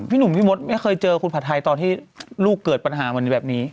หนุ่มพี่มดไม่เคยเจอคุณผัดไทยตอนที่ลูกเกิดปัญหาวันนี้แบบนี้